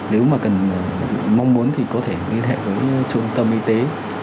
nếu mà cần mong muốn thì có thể liên hệ với trung tâm y tế